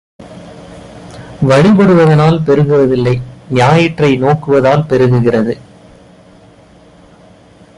வழிபடுவதனால் பெருகுவதில்லை ஞாயிற்றை நோக்குவதால் பெருகுகிறது.